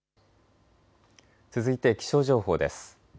続いて気象情報です。